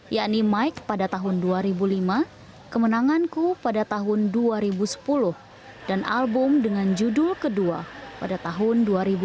yakni mike pada tahun dua ribu lima kemenanganku pada tahun dua ribu sepuluh dan album dengan judul kedua pada tahun dua ribu dua